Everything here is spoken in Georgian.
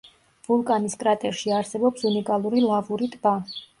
ვულკანის კრატერში არსებობს უნიკალური ლავური ტბა.